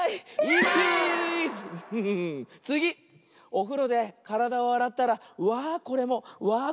おふろでからだをあらったらわあこれもわあ